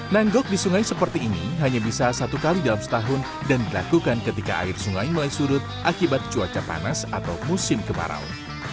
nanggok di sungai seperti ini hanya bisa satu kali dalam setahun dan dilakukan ketika air sungai mulai surut akibat cuaca panas atau musim kemarau